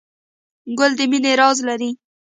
ګل د مینې راز لري.